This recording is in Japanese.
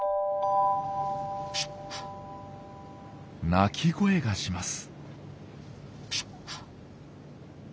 鳴き声がします。